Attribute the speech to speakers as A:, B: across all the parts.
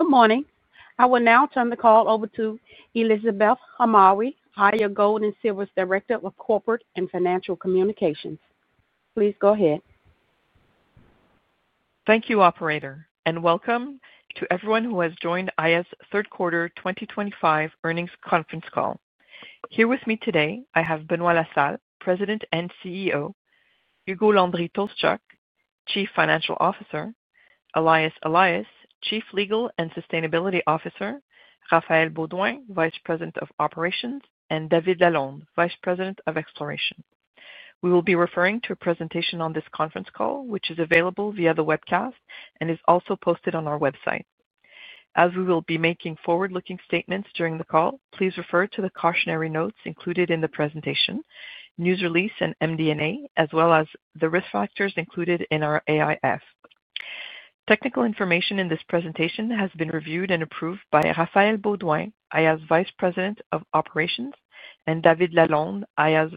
A: Good morning. I will now turn the call over to Elizabeth Hamoue, Aya Gold & Silver's Director of Corporate and Financial Communications. Please go ahead.
B: Thank you, Operator, and welcome to `everyone who has joined Aya's Third Quarter 2025 Earnings Conference Call. Here with me today, I have Benoit La Salle, President and CEO; Ugo Landry-Tolszczuk, Chief Financial Officer; Elias Elias, Chief Legal and Sustainability Officer; Raphaël Beaudoin, Vice President of Operations; and David Lalonde, Vice President of Exploration. We will be referring to a presentation on this conference call, which is available via the webcast and is also posted on our website. As we will be making forward-looking statements during the call, please refer to the cautionary notes included in the presentation, news release and MD&A, as well as the risk factors included in our AIF. Technical information in this presentation has been reviewed and approved by Raphaël Beaudoin, Vice President of Operations, and David Lalonde,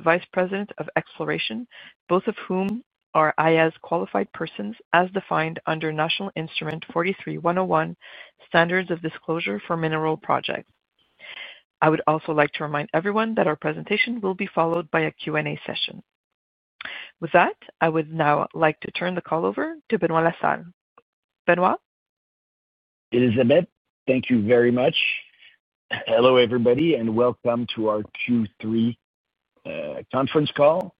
B: Vice President of Exploration, both of whom are Aya's Qualified Persons as defined under National Instrument 43-101, Standards of Disclosure for Mineral Projects. I would also like to remind everyone that our presentation will be followed by a Q&A session. With that, I would now like to turn the call over to Benoit La Salle. Benoit?
C: Elizabeth, thank you very much. Hello, everybody, and welcome to our Q3 Conference all.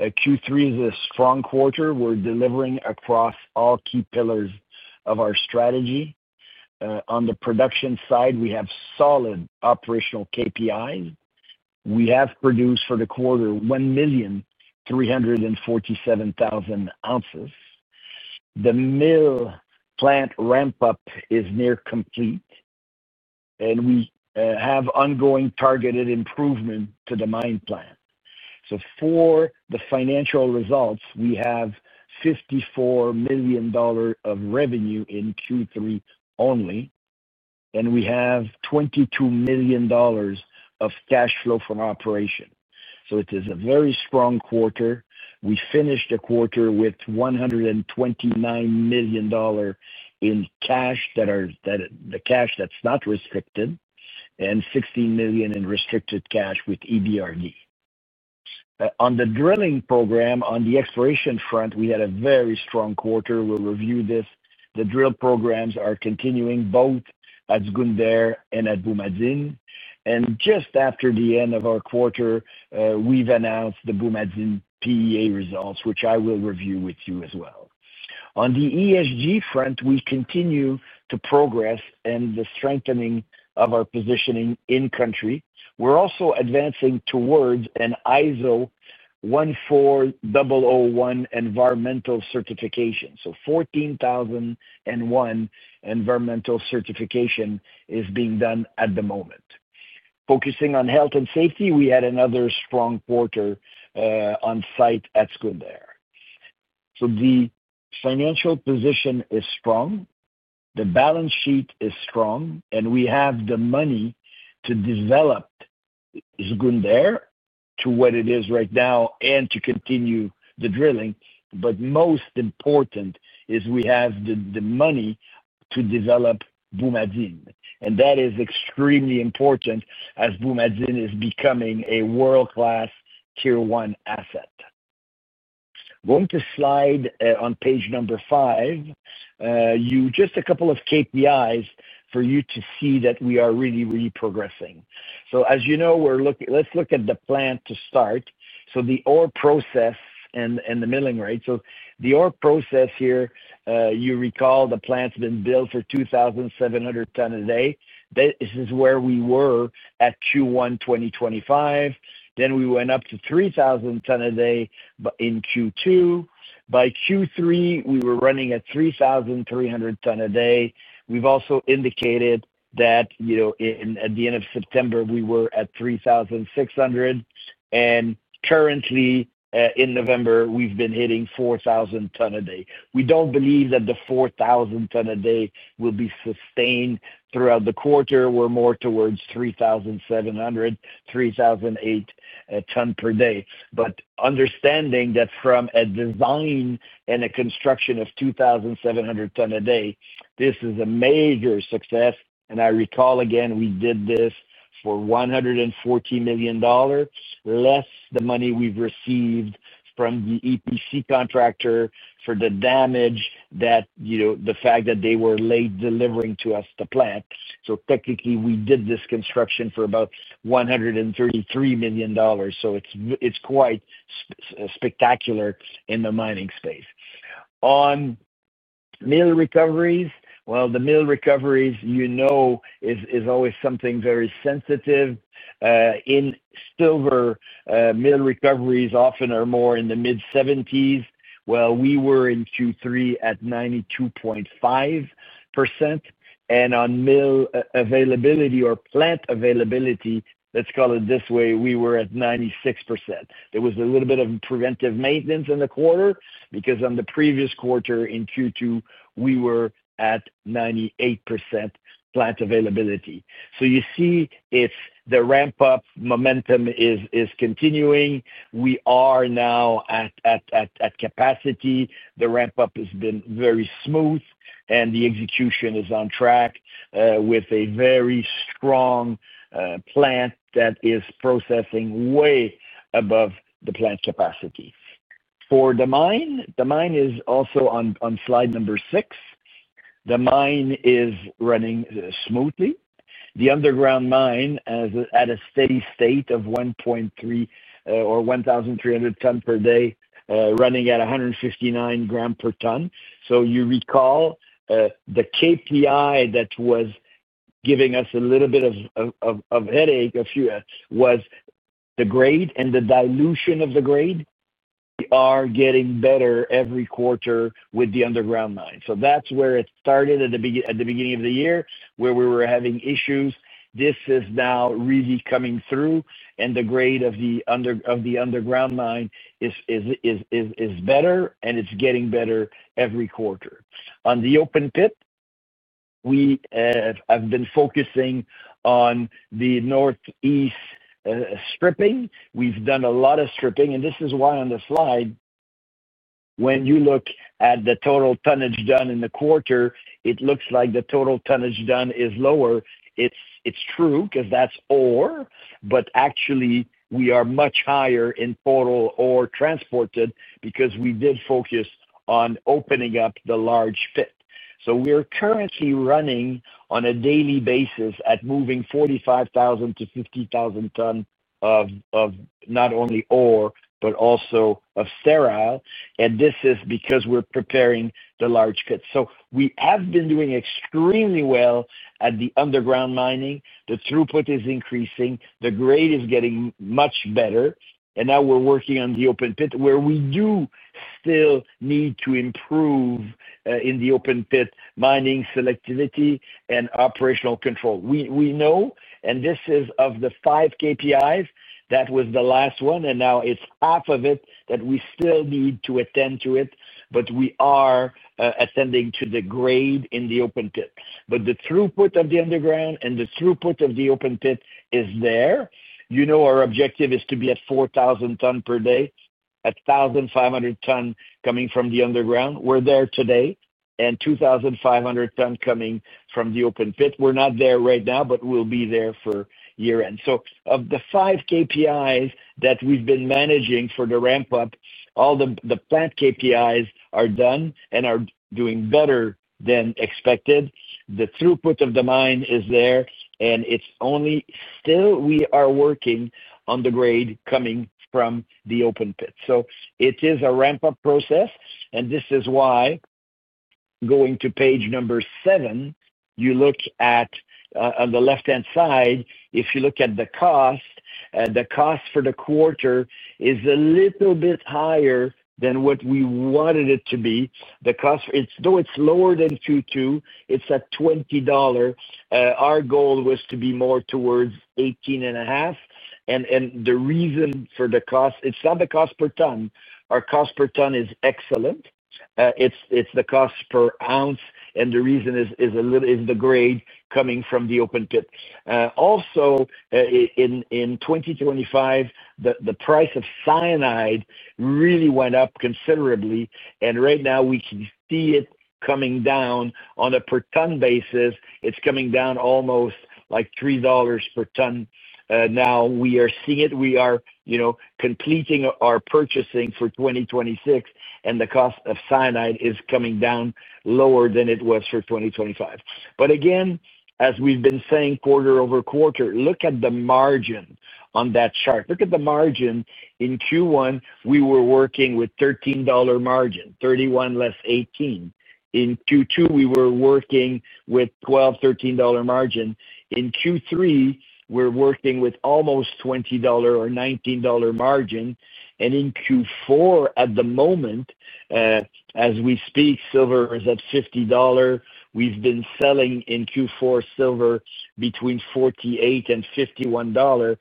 C: Q3 is a strong quarter. We're delivering across all key pillars of our strategy. On the production side, we have solid operational KPIs. We have produced for the quarter 1,347,000 ounces. The mill plant ramp-up is near complete, and we have ongoing targeted improvement to the mine plant. For the financial results, we have $54 million of revenue in Q3 only, and we have $22 million of cash flow from operation. It is a very strong quarter. We finished the quarter with $129 million in cash that are the cash that's not restricted, and $16 million in restricted cash with EBRD. On the drilling program, on the exploration front, we had a very strong quarter. We'll review this. The drill programs are continuing both at Zgounder and at Boumadine. Just after the end of our quarter, we've announced the Boumadine PEA results, which I will review with you as well. On the ESG front, we continue to progress in the strengthening of our positioning in-country. We're also advancing towards an ISO 14001 environmental certification. ISO 14001 environmental certification is being done at the moment. Focusing on health and safety, we had another strong quarter on site at Zgounder. The financial position is strong. The balance sheet is strong, and we have the money to develop Zgounder to what it is right now and to continue the drilling. Most important is we have the money to develop Boumadine. That is extremely important as Boumadine is becoming a world-class tier-one asset. Going to slide on page number five, just a couple of KPIs for you to see that we are really, really progressing. As you know, let's look at the plant to start. The ore process and the milling rate. The ore process here, you recall the plant's been built for 2,700 tonnes a day. This is where we were at Q1 2025. We went up to 3,000 tonnes a day in Q2. By Q3, we were running at 3,300 tonnes a day. We've also indicated that at the end of September, we were at 3,600. Currently, in November, we've been hitting 4,000 tonnes a day. We don't believe that the 4,000 tonnes a day will be sustained throughout the quarter. We're more towards 3,700, 3,008 tonnes per day. Understanding that from a design and a construction of 2,700 tonnes a day, this is a major success. I recall, again, we did this for $140 million, less the money we've received from the EPC contractor for the damage, the fact that they were late delivering to us the plant. Technically, we did this construction for about $133 million. It is quite spectacular in the mining space. On mill recoveries, the mill recoveries, you know, is always something very sensitive. In silver, mill recoveries often are more in the mid-70%. We were in Q3 at 92.5%. On mill availability or plant availability, let's call it this way, we were at 96%. There was a little bit of preventive maintenance in the quarter because in the previous quarter in Q2, we were at 98% plant availability. You see the ramp-up momentum is continuing. We are now at capacity. The ramp-up has been very smooth, and the execution is on track with a very strong plant that is processing way above the plant capacity. For the mine, the mine is also on slide number six. The mine is running smoothly. The underground mine is at a steady state of 1,300 tonnes per day, running at 159 grams per tonne. You recall the KPI that was giving us a little bit of headache a few was the grade and the dilution of the grade. We are getting better every quarter with the underground mine. That is where it started at the beginning of the year, where we were having issues. This is now really coming through, and the grade of the underground mine is better, and it is getting better every quarter. On the open pit, we have been focusing on the northeast stripping. We've done a lot of stripping. This is why on the slide, when you look at the total tonnage done in the quarter, it looks like the total tonnage done is lower. It's true because that's ore, but actually, we are much higher in total ore transported because we did focus on opening up the large pit. We're currently running on a daily basis at moving 45,000-50,000 tonnes of not only ore, but also of sterile. This is because we're preparing the large pit. We have been doing extremely well at the underground mining. The throughput is increasing. The grade is getting much better. Now we're working on the open pit, where we do still need to improve in the open pit mining selectivity and operational control. We know, and this is of the five KPIs, that was the last one, and now it's half of it that we still need to attend to it, but we are attending to the grade in the open pit. The throughput of the underground and the throughput of the open pit is there. Our objective is to be at 4,000 tonnes per day, at 1,500 tonnes coming from the underground. We're there today, and 2,500 tonnes coming from the open pit. We're not there right now, but we'll be there for year-end. Of the five KPIs that we've been managing for the ramp-up, all the plant KPIs are done and are doing better than expected. The throughput of the mine is there, and it's only still we are working on the grade coming from the open pit. It is a ramp-up process, and this is why going to page number seven, you look at on the left-hand side, if you look at the cost, the cost for the quarter is a little bit higher than what we wanted it to be. The cost, though it is lower than Q2, it is at $20. Our goal was to be more towards 18.5. The reason for the cost, it is not the cost per tonne. Our cost per tonne is excellent. It is the cost per ounce, and the reason is the grade coming from the open pit. Also, in 2025, the price of cyanide really went up considerably, and right now we can see it coming down on a per-tonne basis. It is coming down almost like $3 per tonne. Now we are seeing it. We are completing our purchasing for 2026, and the cost of cyanide is coming down lower than it was for 2025. As we have been saying quarter over quarter, look at the margin on that chart. Look at the margin. In Q1, we were working with $13 margin, $31 less $18. In Q2, we were working with $12, $13 margin. In Q3, we are working with almost $20 or $19 margin. In Q4, at the moment, as we speak, silver is at $50. We have been selling in Q4 silver between $48 and $51.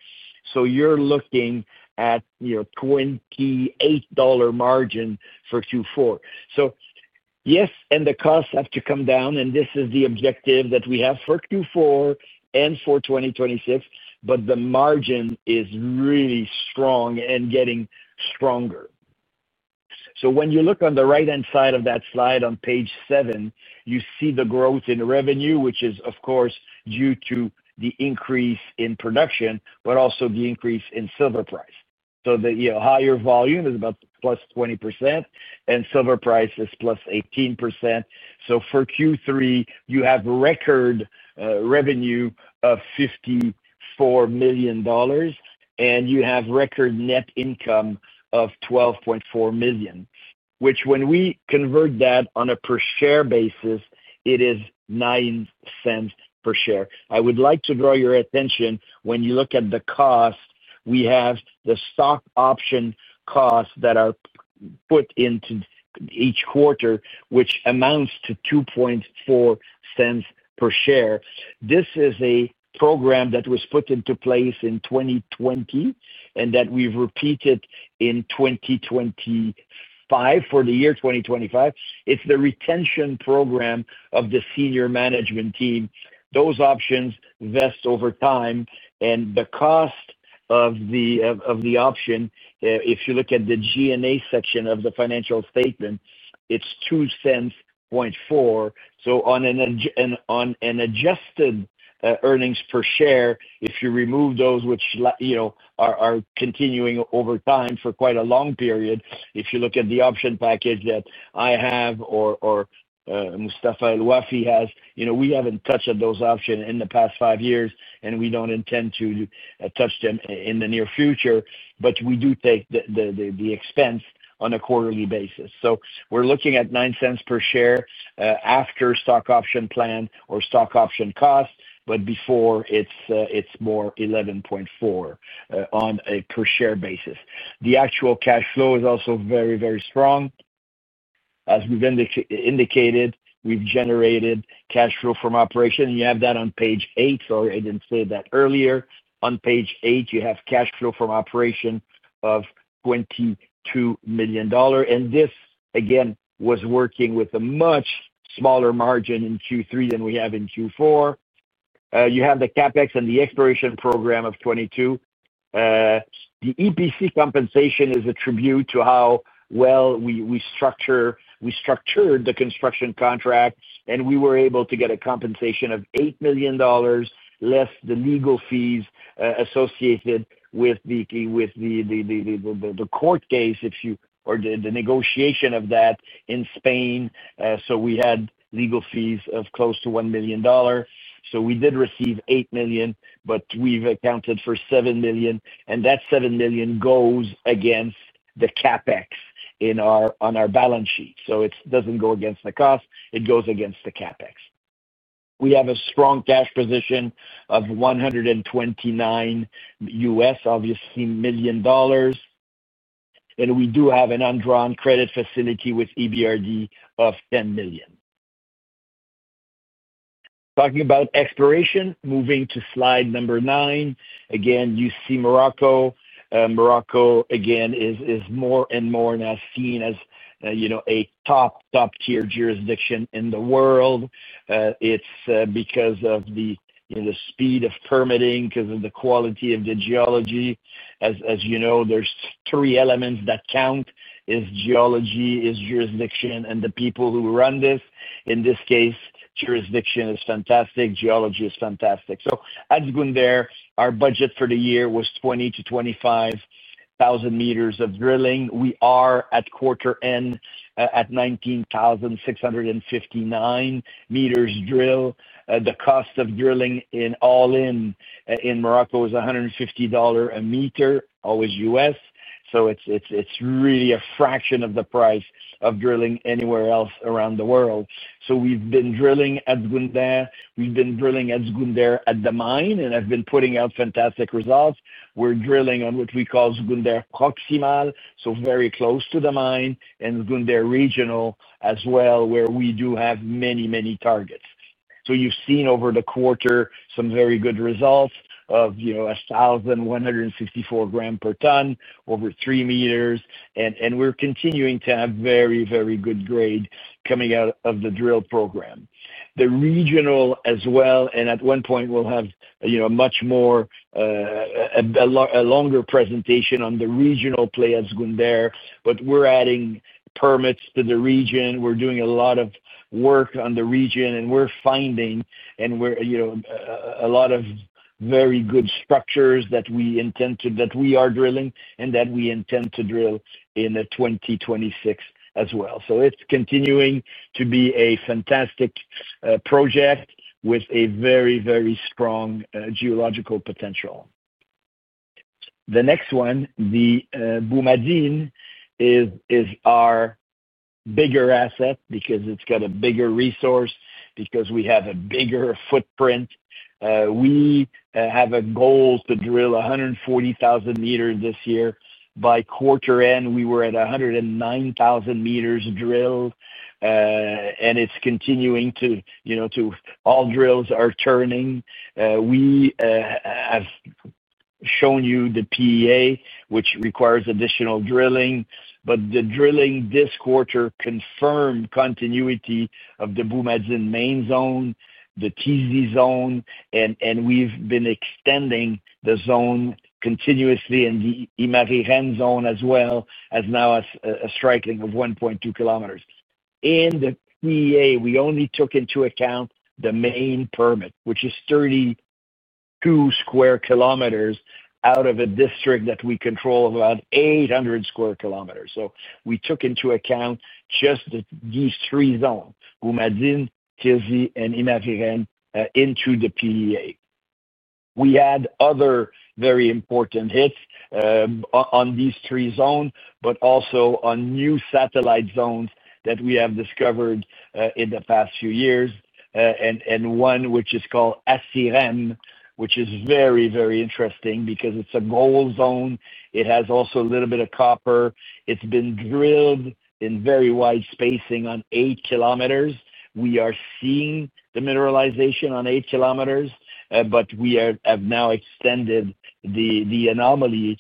C: You are looking at a $28 margin for Q4. Yes, the costs have to come down, and this is the objective that we have for Q4 and for 2026, but the margin is really strong and getting stronger. When you look on the right-hand side of that slide on page seven, you see the growth in revenue, which is, of course, due to the increase in production, but also the increase in silver price. The higher volume is about +20%, and silver price is +18%. For Q3, you have record revenue of $54 million, and you have record net income of $12.4 million, which when we convert that on a per-share basis, it is $0.09 per share. I would like to draw your attention when you look at the cost, we have the stock option costs that are put into each quarter, which amounts to $0.024 per share. This is a program that was put into place in 2020 and that we have repeated in 2025 for the year 2025. It is the retention program of the senior management team. Those options vest over time, and the cost of the option, if you look at the G&A section of the financial statement, it's $0.024. On an adjusted earnings per share, if you remove those which are continuing over time for quite a long period, if you look at the option package that I have or Mustapha El Ouafi has, we haven't touched those options in the past five years, and we don't intend to touch them in the near future, but we do take the expense on a quarterly basis. We're looking at $0.09 per share after stock option plan or stock option cost, but before, it's more $0.114 on a per-share basis. The actual cash flow is also very, very strong. As we've indicated, we've generated cash flow from operation. You have that on page eight, sorry, I didn't say that earlier. On page eight, you have cash flow from operation of $22 million. This, again, was working with a much smaller margin in Q3 than we have in Q4. You have the CapEx and the exploration program of 2022. The EPC compensation is a tribute to how well we structured the construction contract, and we were able to get a compensation of $8 million less the legal fees associated with the court case or the negotiation of that in Spain. We had legal fees of close to $1 million. We did receive $8 million, but we have accounted for $7 million, and that $7 million goes against the CapEx on our balance sheet. It does not go against the cost. It goes against the CapEx. We have a strong cash position of $129 million. We do have an underground credit facility with EBRD of $10 million. Talking about exploration, moving to slide number nine. Again, you see Morocco. Morocco, again, is more and more now seen as a top-tier jurisdiction in the world. It's because of the speed of permitting, because of the quality of the geology. As you know, there's three elements that count: geology, jurisdiction, and the people who run this. In this case, jurisdiction is fantastic. Geology is fantastic. At Zgounder, our budget for the year was 20,000-25,000 meters of drilling. We are at quarter end at 19,659 meters drilled. The cost of drilling in all in Morocco is $150 a meter, always U.S.. It's really a fraction of the price of drilling anywhere else around the world. We've been drilling at Zgounder. We've been drilling at Zgounder at the mine, and I've been putting out fantastic results. We're drilling on what we call Zgounder Proximal, so very close to the mine, and Zgounder Regional as well, where we do have many, many targets. You have seen over the quarter some very good results of 1,164 grams per tonne over three meters. We're continuing to have very, very good grade coming out of the drill program. The regional as well, and at one point, we'll have a much more longer presentation on the regional play at Zgounder, but we're adding permits to the region. We're doing a lot of work on the region, and we're finding a lot of very good structures that we intend to, that we are drilling and that we intend to drill in 2026 as well. It's continuing to be a fantastic project with a very, very strong geological potential. The next one, the Boumadine, is our bigger asset because it's got a bigger resource, because we have a bigger footprint. We have a goal to drill 140,000 meters this year. By quarter end, we were at 109,000 meters drilled, and it's continuing to all drills are turning. We have shown you the PEA, which requires additional drilling, but the drilling this quarter confirmed continuity of the Boumadine main zone, the TZ zone, and we've been extending the zone continuously in the Imariren zone as well, as now a striking of 1.2 kilometers. In the PEA, we only took into account the main permit, which is 32 sq km out of a district that we control of about 800 sq km. We took into account just these three zones, Boumadine, TZ, and Imariren, into the PEA. We had other very important hits on these three zones, but also on new satellite zones that we have discovered in the past few years, and one which is called Asirem, which is very, very interesting because it is a gold zone. It has also a little bit of copper. It has been drilled in very wide spacing on eight kilometers. We are seeing the mineralization on eight kilometers, but we have now extended the anomaly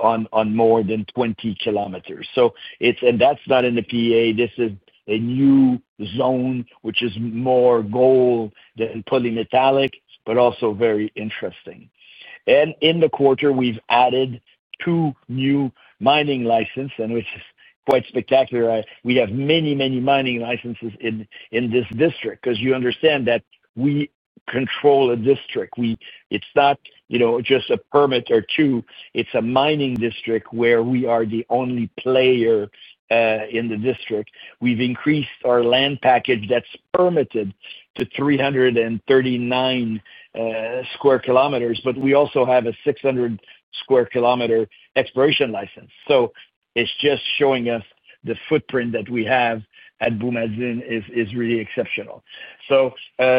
C: on more than 20 kilometers. That is not in the PEA. This is a new zone, which is more gold than polymetallic, but also very interesting. In the quarter, we have added two new mining licenses, and it is quite spectacular. We have many, many mining licenses in this district because you understand that we control a district. It's not just a permit or two. It's a mining district where we are the only player in the district. We've increased our land package that's permitted to 339 sq km, but we also have a 600 sq km exploration license. It's just showing us the footprint that we have at Boumadine is really exceptional.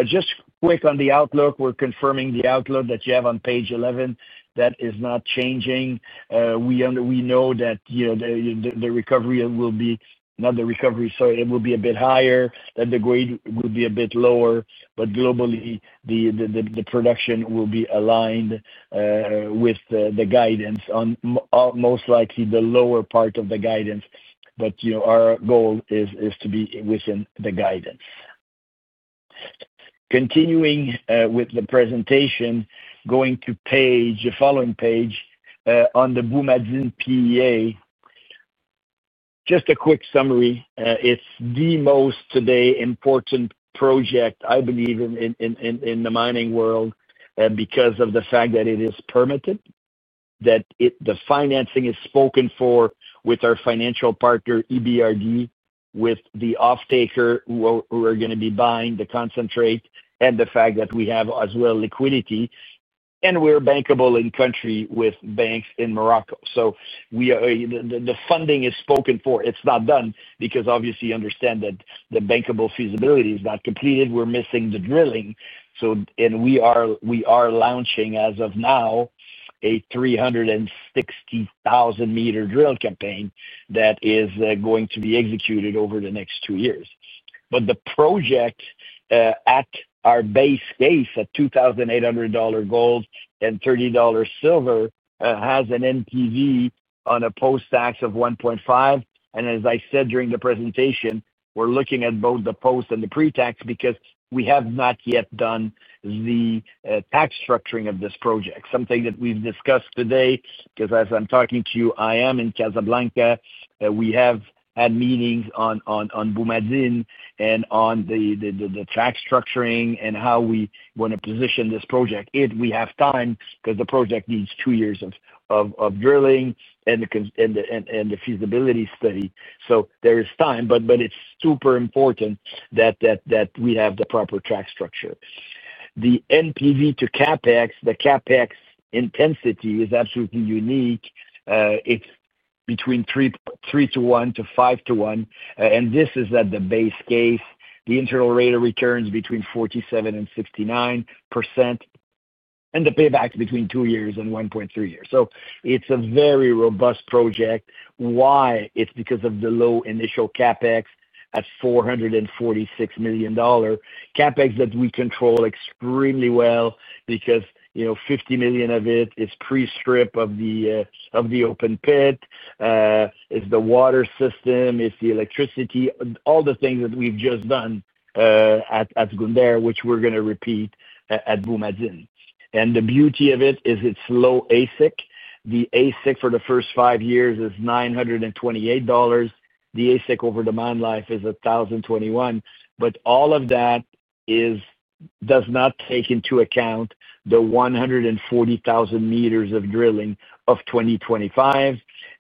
C: Just quick on the outlook, we're confirming the outlook that you have on page 11. That is not changing. We know that the recovery will be, not the recovery, sorry, it will be a bit higher, that the grade will be a bit lower, but globally, the production will be aligned with the guidance, most likely the lower part of the guidance, but our goal is to be within the guidance. Continuing with the presentation, going to the following page on the Boumadine PEA. Just a quick summary. It's the most today important project, I believe, in the mining world because of the fact that it is permitted, that the financing is spoken for with our financial partner, EBRD, with the off-taker who are going to be buying the concentrate, and the fact that we have as well liquidity, and we're bankable in country with banks in Morocco. The funding is spoken for. It's not done because, obviously, you understand that the bankable feasibility is not completed. We're missing the drilling. We are launching, as of now, a 360,000-meter drill campaign that is going to be executed over the next two years. The project at our base case, at $2,800 gold and $30 silver, has an NPV on a post-tax of $1.5 billion. As I said during the presentation, we're looking at both the post and the pre-tax because we have not yet done the tax structuring of this project, something that we've discussed today because as I'm talking to you, I am in Casablanca. We have had meetings on Boumadine and on the tax structuring and how we want to position this project. We have time because the project needs two years of drilling and the feasibility study. There is time, but it's super important that we have the proper tax structure. The NPV to CapEx, the CapEx intensity is absolutely unique. It's between 3-1 to 5-1. This is at the base case. The internal rate of return is between 47%-69%, and the payback is between two years and 1.3 years. It's a very robust project. Why? It's because of the low initial CapEx at $446 million. CapEx that we control extremely well because $50 million of it is pre-strip of the open pit, is the water system, is the electricity, all the things that we've just done at Zgounder, which we're going to repeat at Boumadine. The beauty of it is it's low AISC. The AISC for the first five years is $928. The AISC over the mine life is $1,021. All of that does not take into account the 140,000 meters of drilling of 2025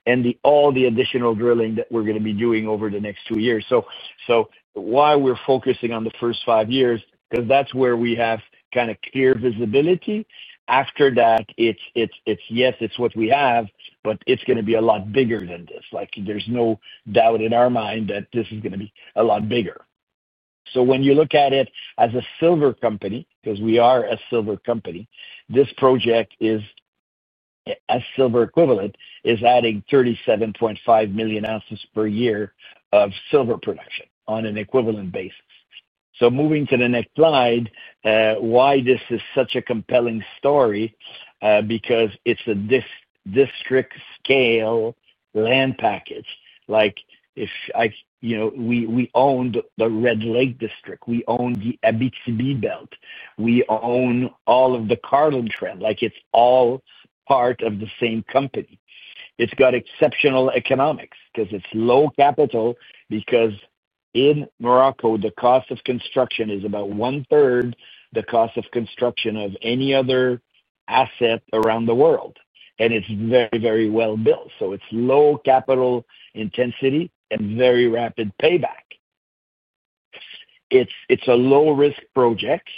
C: and all the additional drilling that we're going to be doing over the next two years. Why we're focusing on the first five years? Because that's where we have kind of clear visibility. After that, yes, it's what we have, but it's going to be a lot bigger than this. There's no doubt in our mind that this is going to be a lot bigger. When you look at it as a silver company, because we are a silver company, this project is a silver equivalent, is adding 37.5 million ounces per year of silver production on an equivalent basis. Moving to the next slide, why this is such a compelling story? It's because it's a district-scale land package. We own the Red Lake district. We own the Abitibi Belt. We own all of the Carlin Trend. It's all part of the same company. It's got exceptional economics because it's low capital, because in Morocco, the cost of construction is about one-third the cost of construction of any other asset around the world. It's very, very well built. It's low capital intensity and very rapid payback. It's a low-risk project.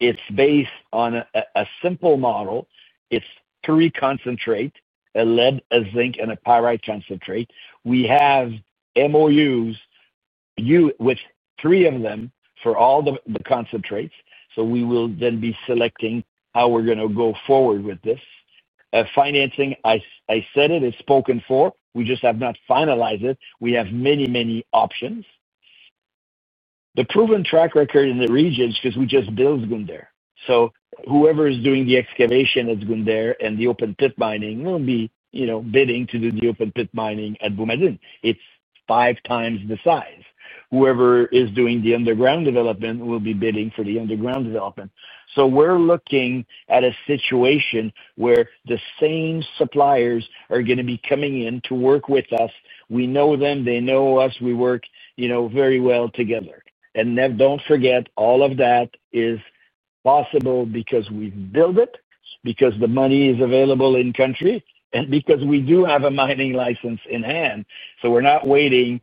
C: It's based on a simple model. It's three concentrates: a lead, a zinc, and a pyrite concentrate. We have MOUs with three of them for all the concentrates. We will then be selecting how we're going to go forward with this. Financing, I said it is spoken for. We just have not finalized it. We have many, many options. The proven track record in the region is because we just built Zgounder. Whoever is doing the excavation at Zgounder and the open pit mining will be bidding to do the open pit mining at Boumadine. It's five times the size. Whoever is doing the underground development will be bidding for the underground development. We're looking at a situation where the same suppliers are going to be coming in to work with us. We know them. They know us. We work very well together. Do not forget, all of that is possible because we have built it, because the money is available in country, and because we do have a mining license in hand. We are not waiting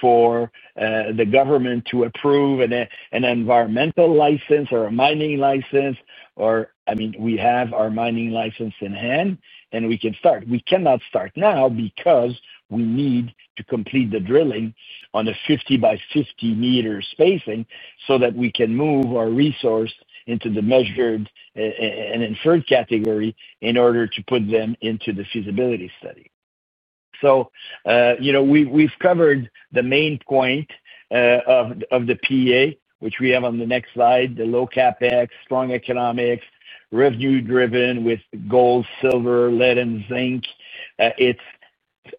C: for the government to approve an environmental license or a mining license. I mean, we have our mining license in hand, and we can start. We cannot start now because we need to complete the drilling on a 50-by-50 meter spacing so that we can move our resource into the measured and inferred category in order to put them into the feasibility study. We have covered the main point of the PEA, which we have on the next slide: the low CapEx, strong economics, revenue-driven with gold, silver, lead, and zinc. It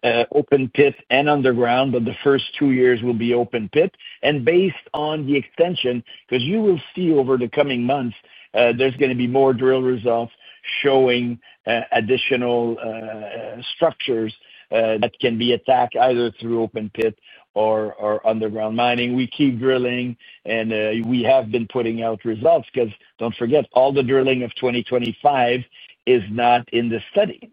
C: is open pit and underground, but the first two years will be open pit. Based on the extension, because you will see over the coming months, there's going to be more drill results showing additional structures that can be attacked either through open pit or underground mining. We keep drilling, and we have been putting out results because don't forget, all the drilling of 2025 is not in the study.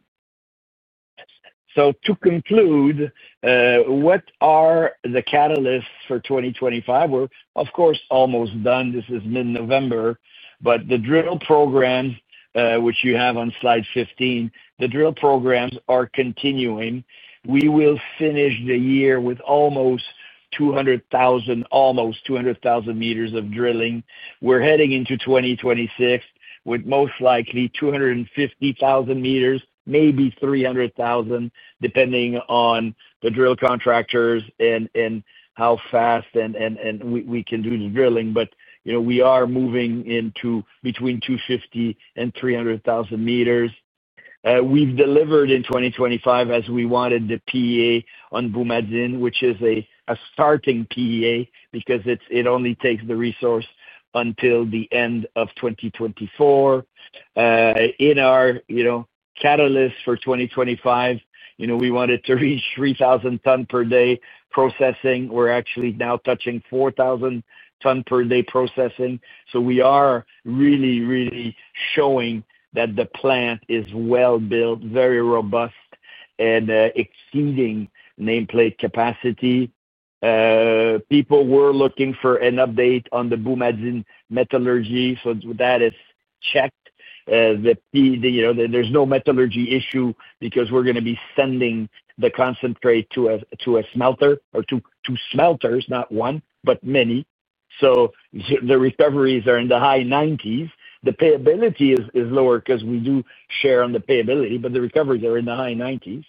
C: To conclude, what are the catalysts for 2025? We're, of course, almost done. This is mid-November, but the drill programs, which you have on slide 15, the drill programs are continuing. We will finish the year with almost 200,000 meters of drilling. We're heading into 2026 with most likely 250,000 meters, maybe 300,000, depending on the drill contractors and how fast we can do the drilling. We are moving into between 250,000 and 300,000 meters. We've delivered in 2025 as we wanted the PEA on Boumadine, which is a starting PEA because it only takes the resource until the end of 2024. In our catalyst for 2025, we wanted to reach 3,000 ton per day processing. We're actually now touching 4,000 ton per day processing. We are really, really showing that the plant is well-built, very robust, and exceeding nameplate capacity. People were looking for an update on the Boumadine metallurgy. That is checked. There's no metallurgy issue because we're going to be sending the concentrate to a smelter or two smelters, not one, but many. The recoveries are in the high 90%. The payability is lower because we do share on the payability, but the recoveries are in the high 90%.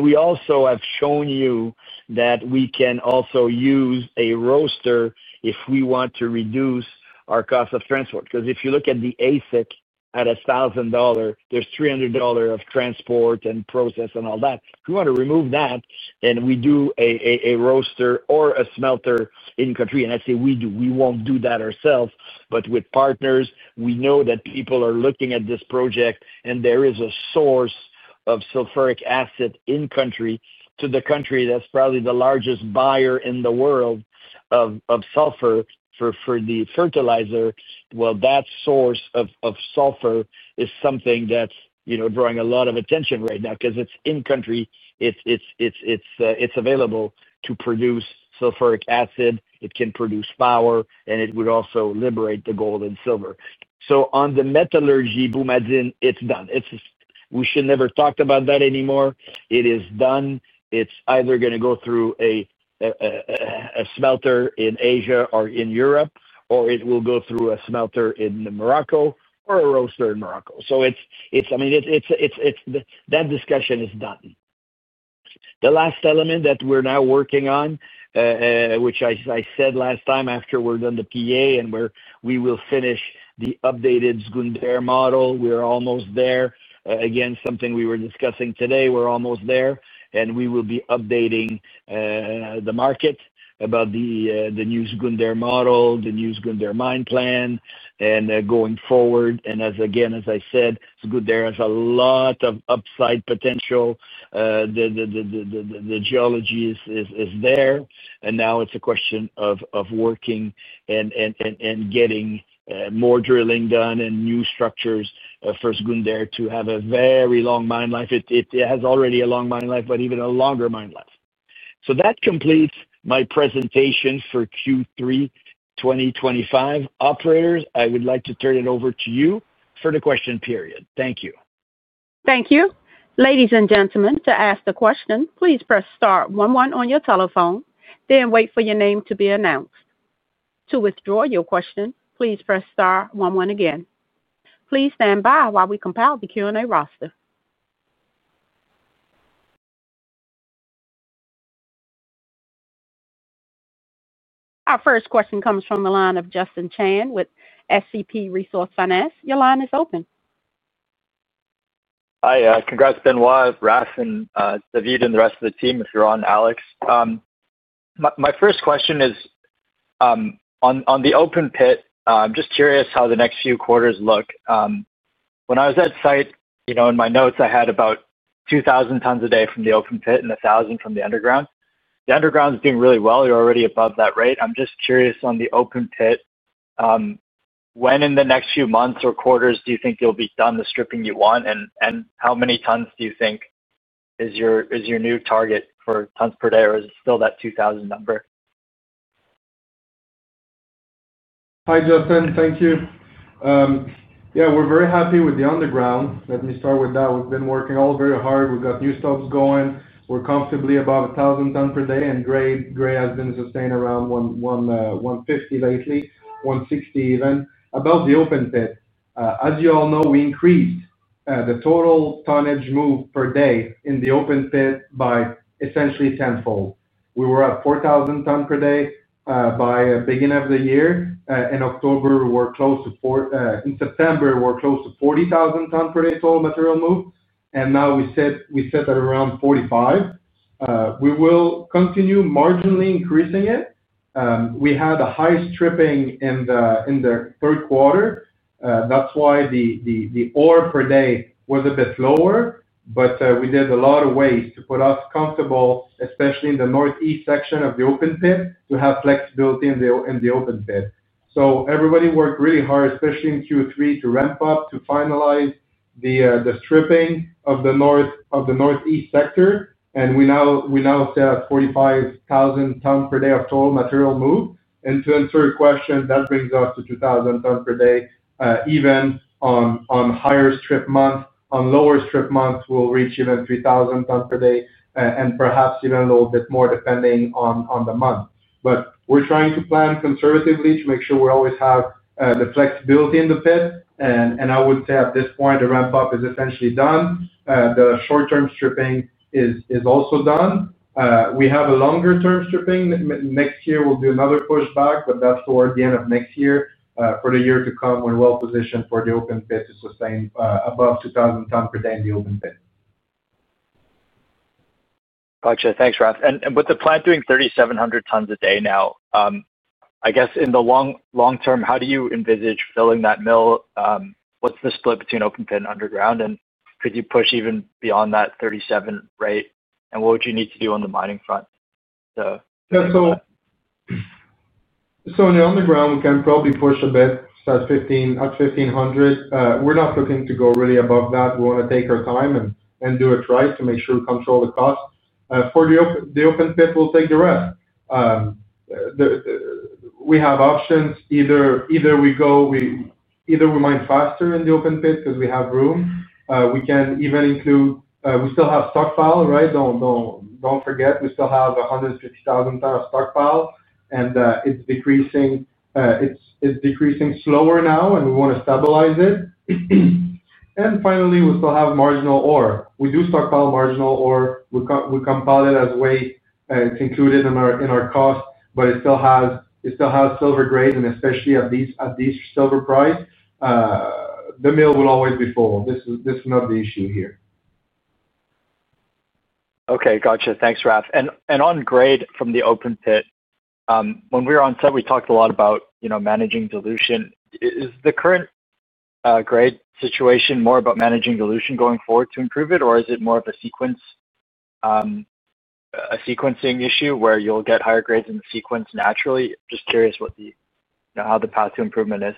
C: We also have shown you that we can also use a roaster if we want to reduce our cost of transport. Because if you look at the AISC at $1,000, there is $300 of transport and process and all that. If we want to remove that and we do a roaster or a smelter in country, and I say we do, we will not do that ourselves, but with partners, we know that people are looking at this project and there is a source of sulfuric acid in country to the country that is probably the largest buyer in the world of sulfur for the fertilizer. That source of sulfur is something that is drawing a lot of attention right now because it is in country. It is available to produce sulfuric acid. It can produce power, and it would also liberate the gold and silver. On the metallurgy Boumadine, it is done. We should never talk about that anymore. It is done. It's either going to go through a smelter in Asia or in Europe, or it will go through a smelter in Morocco or a roaster in Morocco. I mean, that discussion is done. The last element that we're now working on, which I said last time after we're done the PEA and we will finish the updated Zgounder model, we're almost there. Again, something we were discussing today, we're almost there. We will be updating the market about the new Zgounder model, the new Zgounder mine plan, and going forward. Again, as I said, Zgounder has a lot of upside potential. The geology is there. Now it's a question of working and getting more drilling done and new structures for Zgounder to have a very long mine life. It has already a long mine life, but even a longer mine life. So that completes my presentation for Q3 2025. Operators, I would like to turn it over to you for the question period. Thank you.
A: Thank you. Ladies and gentlemen, to ask the question, please press star one oneon your telephone, then wait for your name to be announced. To withdraw your question, please press star one one again. Please stand by while we compile the Q&A roster. Our first question comes from the line of Justin Chan with SCP Resource Finance. Your line is open.
D: Hi. Congrats, Benoit La Salle, David, and the rest of the team. If you're on, Alex. My first question is on the open pit, I'm just curious how the next few quarters look. When I was at site, in my notes, I had about 2,000 tons a day from the open pit and 1,000 from the underground. The underground is doing really well. You're already above that rate. I'm just curious on the open pit, when in the next few months or quarters do you think you'll be done the stripping you want, and how many tons do you think is your new target for tons per day, or is it still that 2,000 number?
E: Hi, Justin. Thank you. Yeah, we're very happy with the underground. Let me start with that. We've been working all very hard. We've got new stops going. We're comfortably above 1,000 tons per day, and grade has been sustained around 150 lately, 160 even. About the open pit, as you all know, we increased the total tonnage moved per day in the open pit by essentially tenfold. We were at 4,000 tons per day by the beginning of the year. In October, we were close to, in September, we were close to 40,000 tons per day total material move. Now we sit at around 45. We will continue marginally increasing it. We had the highest stripping in the third quarter. That is why the ore per day was a bit lower, but we did a lot of ways to put us comfortable, especially in the northeast section of the open pit, to have flexibility in the open pit. Everybody worked really hard, especially in Q3, to ramp up to finalize the stripping of the northeast sector. We now sit at 45,000 tons per day of total material move. To answer your question, that brings us to 2,000 tons per day, even on higher strip months. On lower strip months, we'll reach even 3,000 tons per day, and perhaps even a little bit more depending on the month. We are trying to plan conservatively to make sure we always have the flexibility in the pit. I would say at this point, the ramp-up is essentially done. The short-term stripping is also done. We have a longer-term stripping. Next year, we'll do another push back, but that's toward the end of next year for the year to come when we're well positioned for the open pit to sustain above 2,000 tons per day in the open pit. Gotcha.
D: Thanks, Raph. With the plant doing 3,700 tons a day now, I guess in the long term, how do you envisage filling that mill? What's the split between open pit and underground? Could you push even beyond that 3,700 rate? What would you need to do on the mining front?
E: Yeah. In the underground, we can probably push a bit at 1,500. We're not looking to go really above that. We want to take our time and do it right to make sure we control the cost. For the open pit, we'll take the rest. We have options. Either we mine faster in the open pit because we have room. We can even include we still have stockpiled, right? Don't forget, we still have 150,000 tons of stockpile. It's decreasing slower now, and we want to stabilize it. Finally, we still have marginal ore. We do stockpile marginal ore. We compile it as weight. It's included in our cost, but it still has silver grade, and especially at this silver price, the mill will always be full. This is not the issue here.
D: Okay. Gotcha. Thanks, Raph. On grade from the open pit, when we were on set, we talked a lot about managing dilution. Is the current grade situation more about managing dilution going forward to improve it, or is it more of a sequencing issue where you'll get higher grades in the sequence naturally? Just curious how the path to improvement is.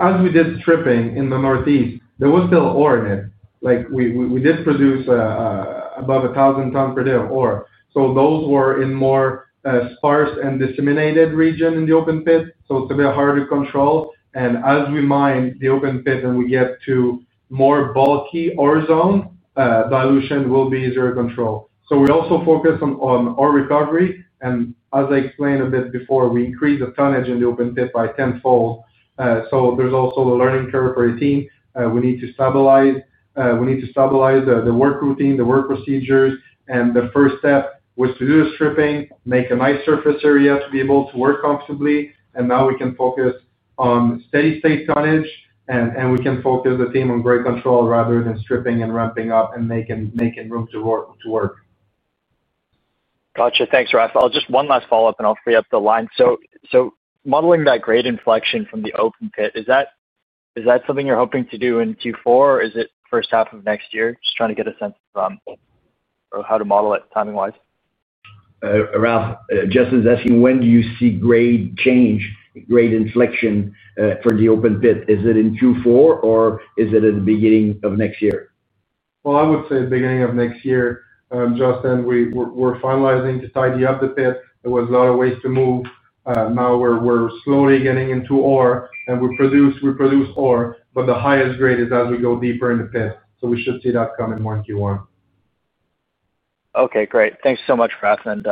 E: As we did stripping in the northeast, there was still ore in it. We did produce above 1,000 tons per day of ore. Those were in more sparse and disseminated region in the open pit. It's a bit harder to control. As we mine the open pit and we get to more bulky ore zone, dilution will be easier to control. We also focus on ore recovery. As I explained a bit before, we increase the tonnage in the open pit by tenfold. There is also a learning curve for a team. We need to stabilize. We need to stabilize the work routine, the work procedures. The first step was to do the stripping, make a nice surface area to be able to work comfortably. Now we can focus on steady-state tonnage, and we can focus the team on grade control rather than stripping and ramping up and making room to work.
D: Gotcha. Thanks, Raph. Just one last follow-up, and I'll free up the line. Modeling that grade inflection from the open pit, is that something you're hoping to do in Q4, or is it first half of next year? Just trying to get a sense of how to model it timing-wise.
C: Raph, Justin's asking, when do you see grade change, grade inflection for the open pit? Is it in Q4, or is it at the beginning of next year?
E: I would say beginning of next year. Justin, we're finalizing to tidy up the pit. There was a lot of waste to move. Now we're slowly getting into ore, and we produce ore, but the highest grade is as we go deeper in the pit. We should see that coming more in Q1.
D: Okay. Great. Thanks so much, Raph and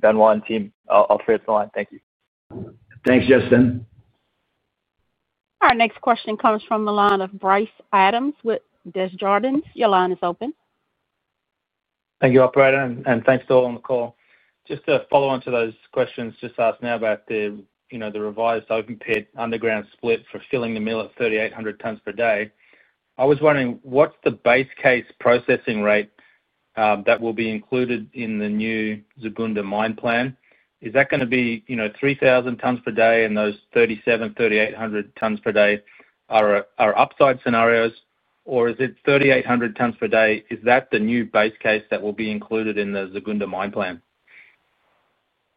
D: Benoit and team. I'll free up the line. Thank you.
C: Thanks, Justin.
A: Our next question comes from the line of Bryce Adams with Desjardins. Your line is open. Thank you, Operator. And thanks to all on the call.
F: Just to follow on to those questions just asked now about the revised open pit underground split for filling the mill at 3,800 tons per day. I was wondering, what's the base case processing rate that will be included in the new Zgounder mine plan? Is that going to be 3,000 tons per day, and those 3,700, 3,800 tons per day are upside scenarios, or is it 3,800 tons per day? Is that the new base case that will be included in the Zgounder mine plan?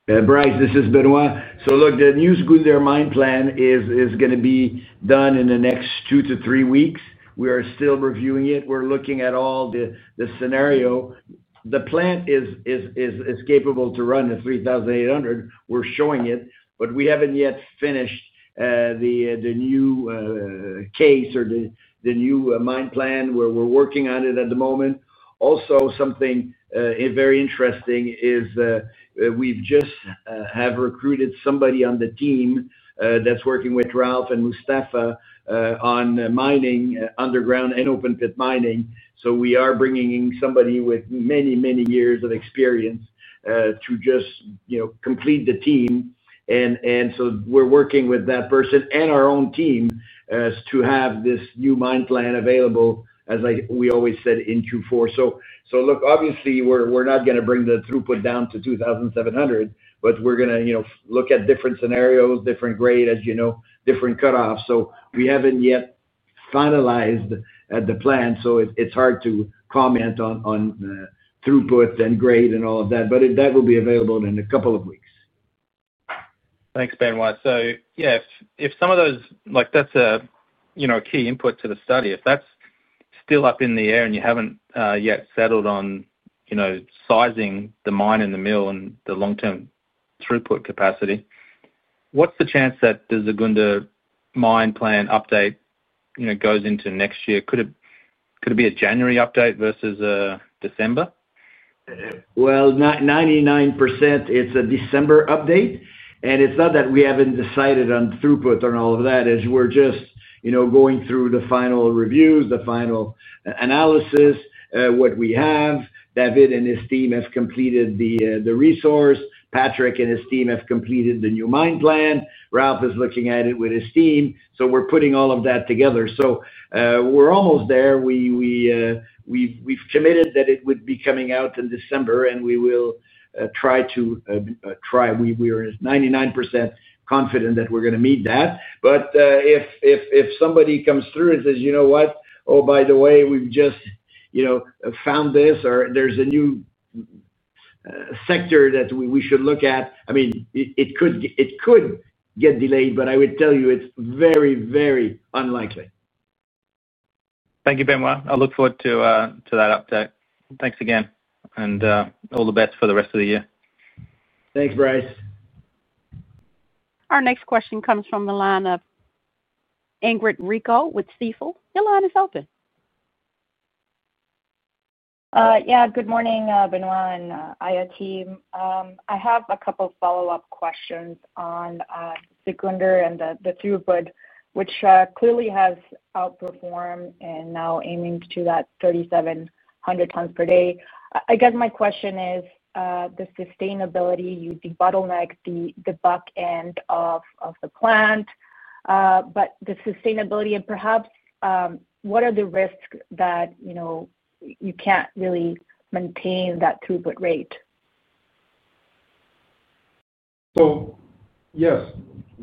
C: Yeah. Bryce, this is Benoit. Look, the new Zgounder mine plan is going to be done in the next two to three weeks. We are still reviewing it. We're looking at all the scenario. The plant is capable to run at 3,800. We're showing it, but we haven't yet finished the new case or the new mine plan. We're working on it at the moment. Also, something very interesting is we've just recruited somebody on the team that's working with Raph and Mustapha on mining underground and open pit mining. We are bringing in somebody with many, many years of experience to just complete the team. We are working with that person and our own team to have this new mine plan available, as we always said, in Q4. Look, obviously, we're not going to bring the throughput down to 2,700, but we're going to look at different scenarios, different grade, as you know, different cutoffs. We haven't yet finalized the plan. It's hard to comment on throughput and grade and all of that, but that will be available in a couple of weeks.
F: Thanks, Benoit. Yeah, if some of those, that's a key input to the study. If that's still up in the air and you haven't yet settled on sizing the mine and the mill and the long-term throughput capacity, what's the chance that the Zgounder mine plan update goes into next year? Could it be a January update versus a December?
C: 99%, it's a December update. It's not that we haven't decided on throughput and all of that. We're just going through the final reviews, the final analysis, what we have. David and his team have completed the resource. Patrick and his team have completed the new mine plan. Raphaël is looking at it with his team. We're putting all of that together. We're almost there. We've committed that it would be coming out in December, and we will try to try. We are 99% confident that we're going to meet that. If somebody comes through and says, "You know what? Oh, by the way, we've just found this," or, "There's a new sector that we should look at," I mean, it could get delayed, but I would tell you it's very, very unlikely.
F: Thank you, Benoit. I look forward to that update. Thanks again. All the best for the rest of the year.
A: Thanks, Bryce. Our next question comes from the line of Ingrid Rico with Stifel. Your line is open.
G: Yeah. Good morning, Benoit and Aya team. I have a couple of follow-up questions on Zgounder and the throughput, which clearly has outperformed and now aiming to that 3,700 tons per day. I guess my question is the sustainability using bottleneck, the back end of the plant, but the sustainability, and perhaps what are the risks that you can't really maintain that throughput rate?
E: Yes,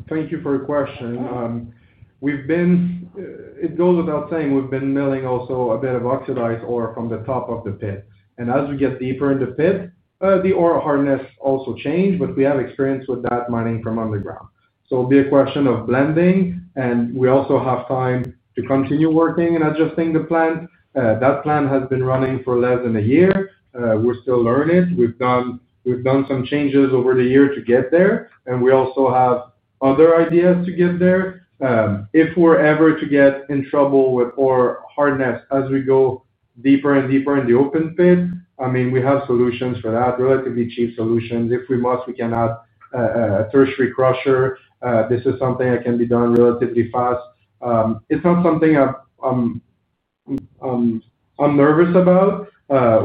E: thank you for your question. It goes without saying, we've been milling also a bit of oxidized ore from the top of the pit. As we get deeper in the pit, the ore hardness also changed, but we have experience with that mining from underground. It'll be a question of blending, and we also have time to continue working and adjusting the plant. That plant has been running for less than a year. We're still learning. We've done some changes over the year to get there, and we also have other ideas to get there. If we're ever to get in trouble with ore hardness as we go deeper and deeper in the open pit, I mean, we have solutions for that, relatively cheap solutions. If we must, we can add a tertiary crusher. This is something that can be done relatively fast. It's not something I'm nervous about.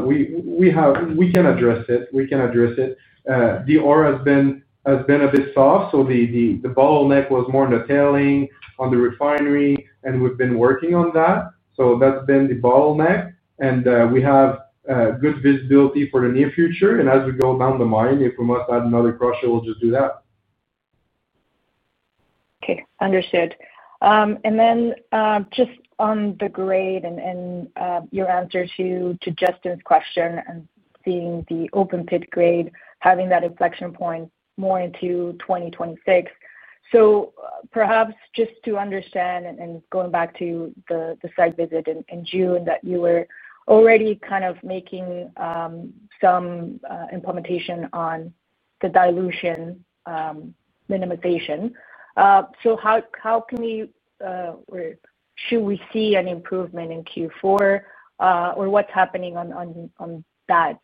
E: We can address it. The ore has been a bit soft, so the bottleneck was more in the tailing, on the refinery, and we've been working on that. That's been the bottleneck. We have good visibility for the near future. As we go down the mine, if we must add another crusher, we'll just do that.
C: Okay. Understood. Just on the grade and your answer to Justin's question and seeing the open pit grade, having that inflection point more into 2026. Perhaps just to understand, and going back to the site visit in June, that you were already kind of making some implementation on the dilution minimization. How can we or should we see an improvement in Q4, or what's happening on that,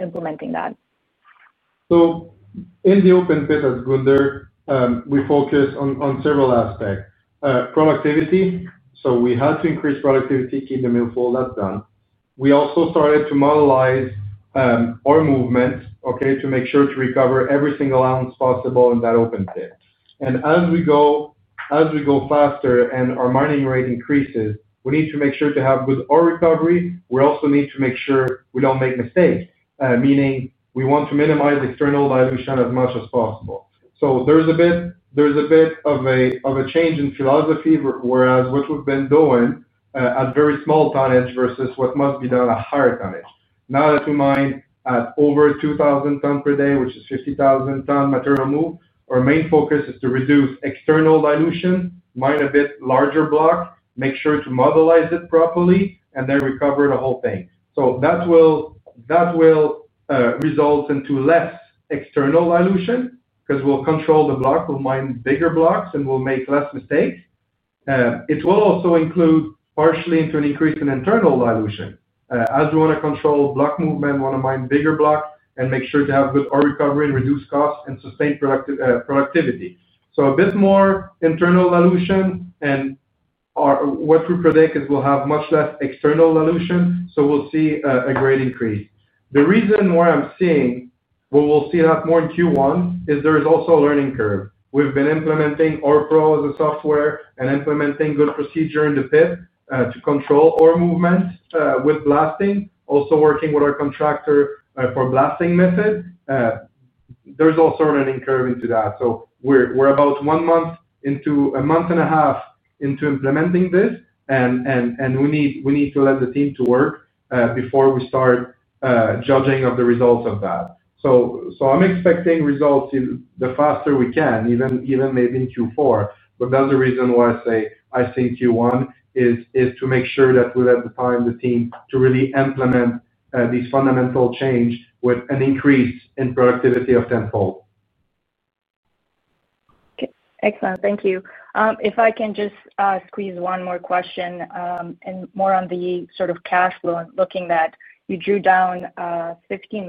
C: implementing that?
E: In the open pit at Zgounder, we focus on several aspects. Productivity. We had to increase productivity, keep the mill full, that's done. We also started to modelize ore movement, okay, to make sure to recover every single ounce possible in that open pit. As we go faster and our mining rate increases, we need to make sure to have good ore recovery. We also need to make sure we don't make mistakes, meaning we want to minimize external dilution as much as possible. There's a bit of a change in philosophy, whereas what we've been doing at very small tonnage versus what must be done at higher tonnage. Now that we mine at over 2,000 tons per day, which is 50,000 tons material move, our main focus is to reduce external dilution, mine a bit larger block, make sure to modelize it properly, and then recover the whole thing. That will result in less external dilution because we'll control the block, we'll mine bigger blocks, and we'll make less mistakes. It will also include partially into an increase in internal dilution. As we want to control block movement, we want to mine bigger blocks and make sure to have good ore recovery and reduce costs and sustain productivity. A bit more internal dilution, and what we predict is we'll have much less external dilution, so we'll see a grade increase. The reason why I'm seeing what we'll see that more in Q1 is there is also a learning curve. We've been implementing ORPRO as a software and implementing good procedure in the pit to control ore movement with blasting, also working with our contractor for blasting method. There's also a learning curve into that. We're about a month and a half into implementing this, and we need to let the team work before we start judging the results of that. I'm expecting results the faster we can, even maybe in Q4. That's the reason why I say I think Q1 is to make sure that we let the team really implement this fundamental change with an increase in productivity of tenfold.
G: Okay. Excellent. Thank you. If I can just squeeze one more question and more on the sort of cash flow, looking that you drew down $15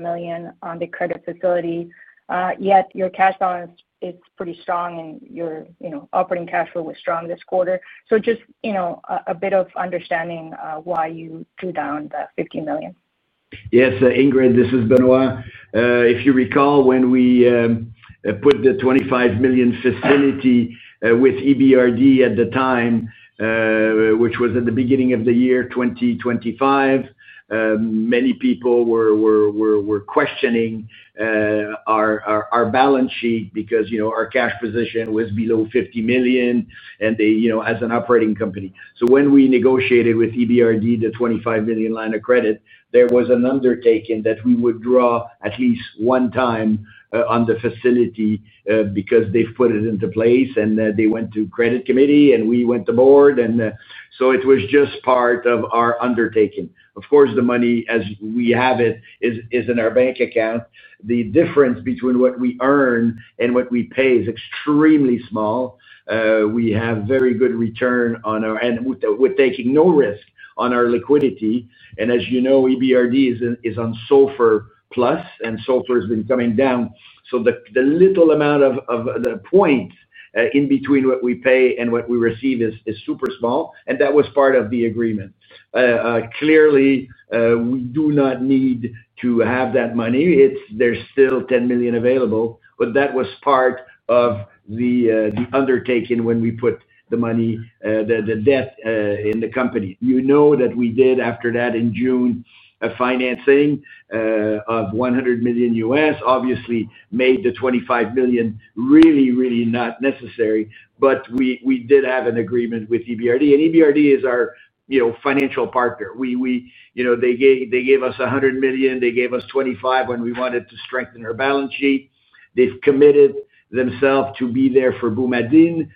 G: million on the credit facility, yet your cash balance is pretty strong and your operating cash flow was strong this quarter. Just a bit of understanding why you drew down that $15 million.
C: Yes. Ingrid, this is Benoit. If you recall, when we put the $25 million facility with EBRD at the time, which was at the beginning of the year 2025, many people were questioning our balance sheet because our cash position was below $50 million as an operating company. When we negotiated with EBRD, the $25 million line of credit, there was an undertaking that we would draw at least one time on the facility because they put it into place and they went to credit committee and we went to board. It was just part of our undertaking. Of course, the money as we have it is in our bank account. The difference between what we earn and what we pay is extremely small. We have very good return on our and we're taking no risk on our liquidity. As you know, EBRD is on SOFR plus, and SOFR has been coming down. The little amount of the point in between what we pay and what we receive is super small, and that was part of the agreement. Clearly, we do not need to have that money. There is still $10 million available, but that was part of the undertaking when we put the money, the debt in the company. You know that we did after that in June, a financing of $100 million US, obviously made the $25 million really, really not necessary, but we did have an agreement with EBRD. And EBRD is our financial partner. They gave us $100 million. They gave us $25 million when we wanted to strengthen our balance sheet. They've committed themselves to be there for Boumadine,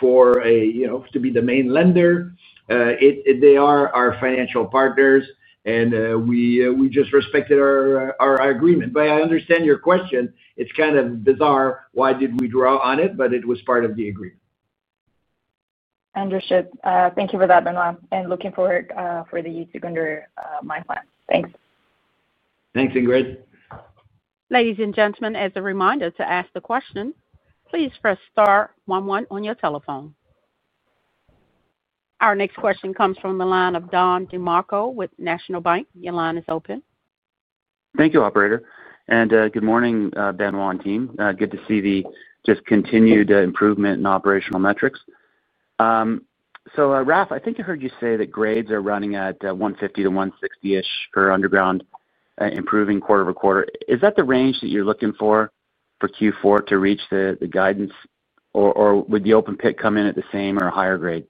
C: for to be the main lender. They are our financial partners, and we just respected our agreement. I understand your question. It's kind of bizarre why did we draw on it, but it was part of the agreement.
G: Understood. Thank you for that, Benoit, and looking forward for the Zgounder mine plan. Thanks.
C: Thanks, Ingrid.
A: Ladies and gentlemen, as a reminder to ask the question, please press star 11 on your telephone. Our next question comes from the line of Don DeMarco with National Bank. Your line is open. Thank you, operator. Good morning, Benoit and team. Good to see the just continued improvement in operational metrics. So Raph, I think I heard you say that grades are running at 150-160-ish per underground, improving quarter to quarter. Is that the range that you're looking for for Q4 to reach the guidance, or would the open pit come in at the same or a higher grade?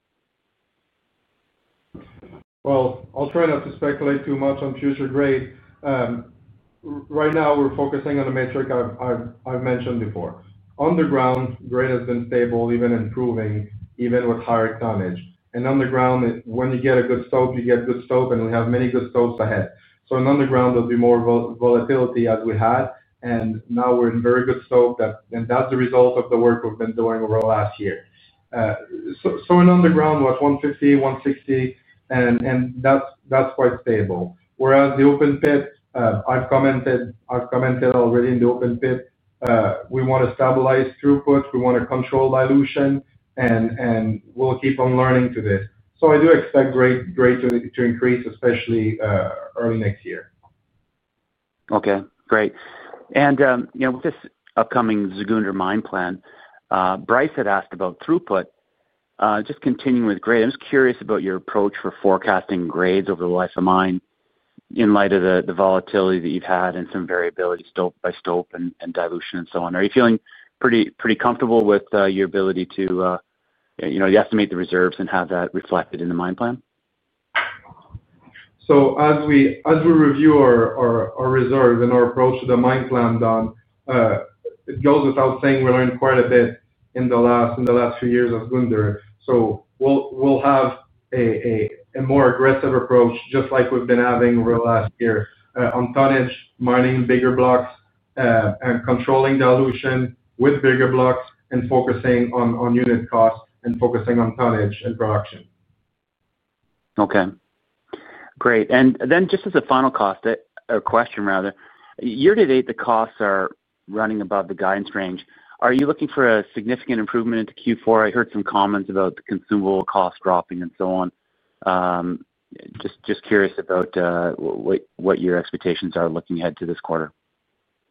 E: I'll try not to speculate too much on future grade. Right now, we're focusing on a metric I've mentioned before. Underground, grade has been stable, even improving, even with higher tonnage. And underground, when you get a good slope, you get good slope, and we have many good slopes ahead. In underground, there'll be more volatility as we had, and now we're in very good stope, and that's the result of the work we've been doing over the last year. In underground, what, 150, 160, and that's quite stable. Whereas the open pit, I've commented already in the open pit, we want to stabilize throughput, we want to control dilution, and we'll keep on learning to this. I do expect grade to increase, especially early next year.
H: Okay. Great. With this upcoming Zgounder mine plan, Bryce had asked about throughput. Just continuing with grade, I'm just curious about your approach for forecasting grades over the life of mine in light of the volatility that you've had and some variability stope by stope and dilution and so on. Are you feeling pretty comfortable with your ability to estimate the reserves and have that reflected in the mine plan?
E: As we review our reserves and our approach to the mine plan, Don, it goes without saying we learned quite a bit in the last few years at Zgounder. We will have a more aggressive approach, just like we have been having over the last year, on tonnage, mining bigger blocks, and controlling dilution with bigger blocks, and focusing on unit costs, and focusing on tonnage and production.
H: Okay. Great. Just as a final question, rather, year to date, the costs are running above the guidance range. Are you looking for a significant improvement into Q4? I heard some comments about consumable cost dropping and so on. Just curious about what your expectations are looking ahead to this quarter.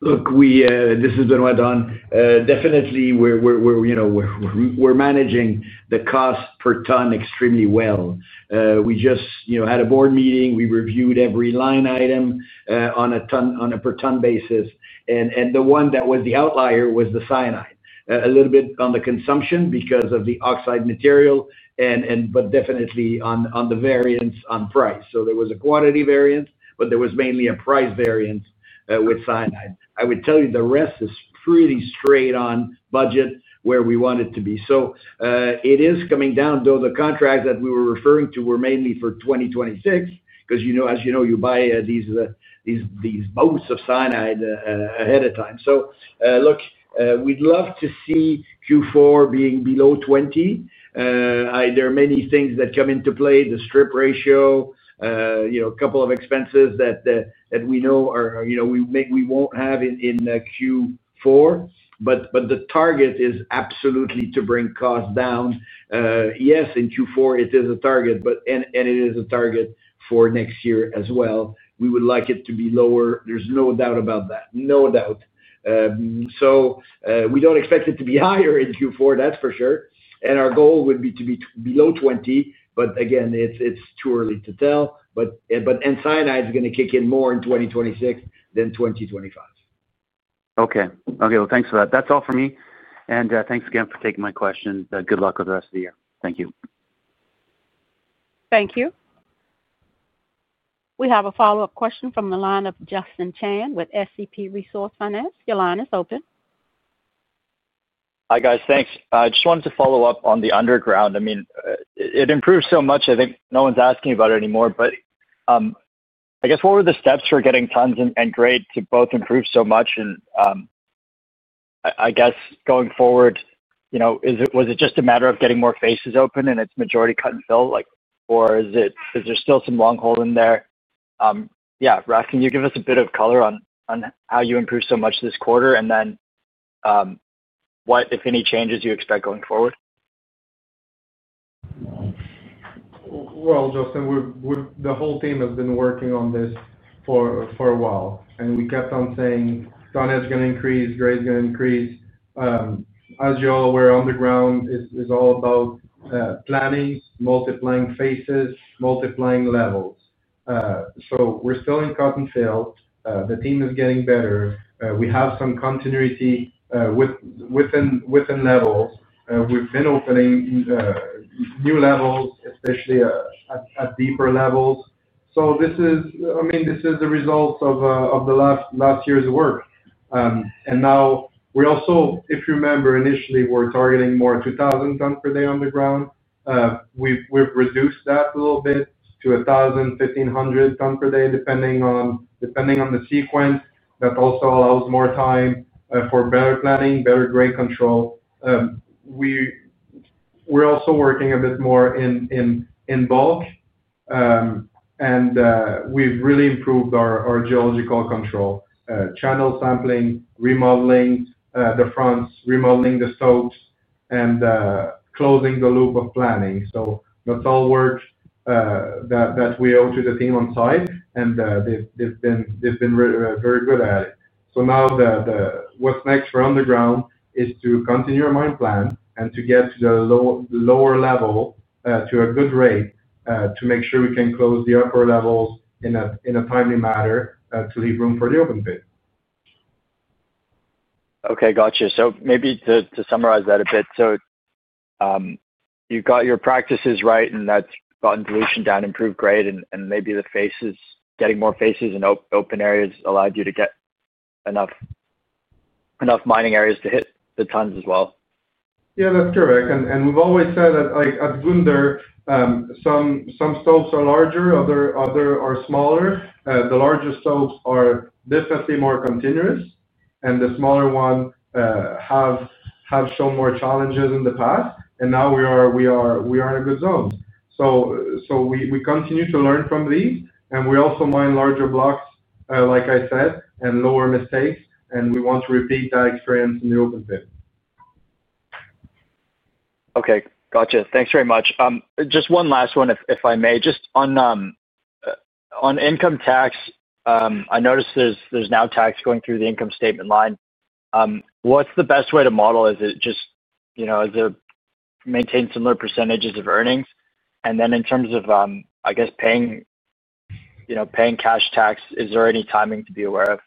C: Look, this is Benoit, Don. Definitely, we're managing the cost per ton extremely well. We just had a board meeting. We reviewed every line item on a per ton basis, and the one that was the outlier was the cyanide. A little bit on the consumption because of the oxide material, but definitely on the variance on price. There was a quantity variance, but there was mainly a price variance with cyanide. I would tell you the rest is pretty straight on budget where we want it to be. It is coming down, though the contracts that we were referring to were mainly for 2026 because, as you know, you buy these boats of cyanide ahead of time. Look, we'd love to see Q4 being below 20. There are many things that come into play, the strip ratio, a couple of expenses that we know we will not have in Q4, but the target is absolutely to bring costs down. Yes, in Q4, it is a target, and it is a target for next year as well. We would like it to be lower. There is no doubt about that, no doubt. We do not expect it to be higher in Q4, that is for sure. Our goal would be to be below 20, but again, it is too early to tell. Cyanide is going to kick in more in 2026 than 2025.
H: Okay. Thank you for that. That is all for me. Thank you again for taking my question. Good luck with the rest of the year. Thank you.
A: Thank you. We have a follow-up question from the line of Justin Chan with SCP Resource Finance. Your line is open. Hi, guys. Thanks. I just wanted to follow up on the underground. I mean, it improved so much. I think no one's asking about it anymore, but I guess what were the steps for getting tons and grade to both improve so much? I guess going forward, was it just a matter of getting more faces open and it's majority cut and fill, or is there still some long hole in there? Yeah. Raph, can you give us a bit of color on how you improved so much this quarter, and then what, if any, changes you expect going forward?
E: Justin, the whole team has been working on this for a while, and we kept on saying tonnage is going to increase, grade is going to increase. As you're aware, underground is all about planning, multiplying faces, multiplying levels. We're still in cut and fill. The team is getting better. We have some continuity within levels. We've been opening new levels, especially at deeper levels. I mean, this is the results of the last year's work. Now, if you remember, initially, we were targeting more 2,000 tons per day underground. We've reduced that a little bit to 1,000-1,500 tons per day, depending on the sequence. That also allows more time for better planning, better grade control. We're also working a bit more in bulk, and we've really improved our geological control, channel sampling, remodeling the fronts, remodeling the stops, and closing the loop of planning. That's all work that we owe to the team on site, and they've been very good at it. Now what's next for underground is to continue our mine plan and to get to the lower level to a good rate to make sure we can close the upper levels in a timely manner to leave room for the open pit.
D: Okay. Gotcha. Maybe to summarize that a bit, you've got your practices right, and that's gotten dilution down, improved grade, and maybe the faces, getting more faces and open areas allowed you to get enough mining areas to hit the tons as well.
E: Yeah, that's correct. We've always said that at Zgounder, some stopes are larger, others are smaller. The larger stopes are definitely more continuous, and the smaller ones have shown more challenges in the past, and now we are in a good zone. We continue to learn from these, and we also mine larger blocks, like I said, and lower mistakes, and we want to repeat that experience in the open pit.
D: Okay. Gotcha. Thanks very much. Just one last one, if I may. Just on income tax, I noticed there's now tax going through the income statement line. What's the best way to model? Is it just maintain similar percentages of earnings? In terms of, I guess, paying cash tax, is there any timing to be aware of?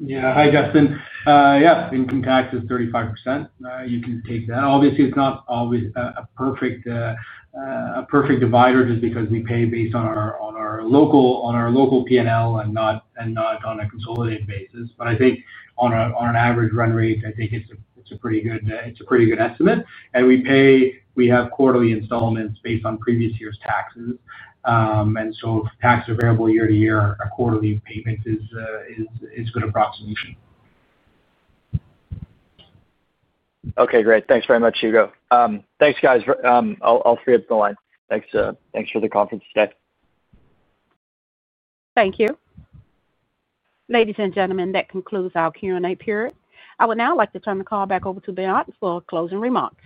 I: Yeah. Hi, Justin. Yeah, income tax is 35%. You can take that. Obviously, it's not a perfect divider just because we pay based on our local P&L and not on a consolidated basis. I think on an average run rate, I think it's a pretty good estimate. We have quarterly installments based on previous year's taxes. If tax is available year to year, a quarterly payment is a good approximation.
D: Okay. Great. Thanks very much, Ugo. Thanks, guys. All three of them are fine. Thanks for the conference today.
A: Thank you. Ladies and gentlemen, that concludes our Q&A period. I would now like to turn the call back over to Benoit for closing remarks.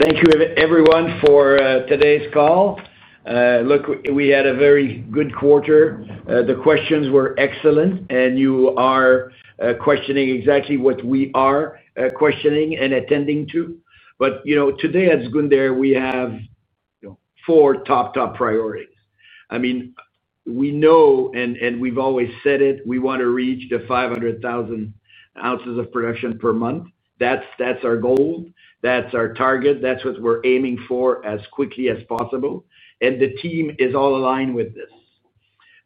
C: Thank you, everyone, for today's call. Look, we had a very good quarter. The questions were excellent, and you are questioning exactly what we are questioning and attending to. Today at Zgounder, we have four top, top priorities. I mean, we know, and we've always said it, we want to reach the 500,000 ounces of production per month. That's our goal. That's our target. That's what we're aiming for as quickly as possible. The team is all aligned with this.